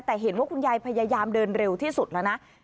แต่เห็นว่าคุณยายพยายามเดินเร็วที่สุดแล้วนะ